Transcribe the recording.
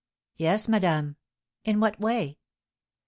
"Yes, madame." "In what way?"